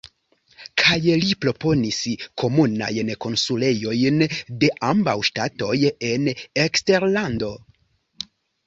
Kaj li proponis komunajn konsulejojn de ambaŭ ŝtatoj en eksterlando.